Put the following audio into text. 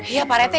iya pak rete